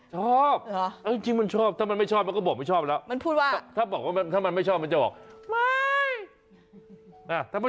ชอบจริงมันชอบถ้ามันไม่ชอบมันก็บอกไม่ชอบแล้วมันพูดว่าถ้าบอกว่าถ้ามันไม่ชอบมันจะบอกไม่